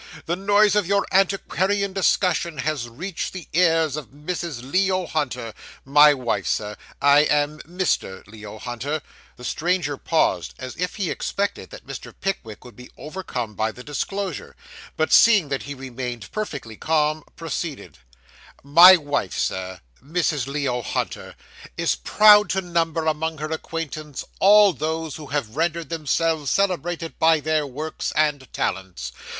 The noise of your antiquarian discussion has reached the ears of Mrs. Leo Hunter my wife, sir; I am Mr. Leo Hunter' the stranger paused, as if he expected that Mr. Pickwick would be overcome by the disclosure; but seeing that he remained perfectly calm, proceeded 'My wife, sir Mrs. Leo Hunter is proud to number among her acquaintance all those who have rendered themselves celebrated by their works and talents.